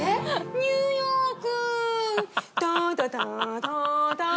ニューヨーク。